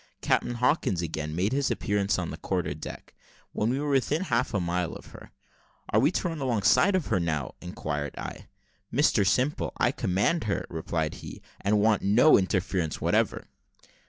Captain Hawkins again made his appearance on the quarter deck, when we were within half a mile of her. "Are we to run alongside of her, or how?" inquired I. "Mr Simple, I command her," replied he, "and want no interference whatever."